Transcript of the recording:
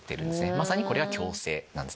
まさにこれが共生なんです。